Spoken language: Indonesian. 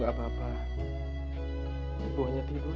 aku bisa bahas satu hal benda masyarakat